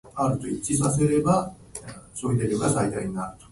ブレーキ踏んでも大好きだからさ